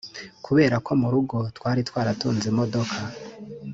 Kubera ko mu rugo twari twaratunze imodoka